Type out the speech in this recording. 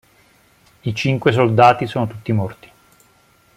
I cinque soldati sono tutti morti.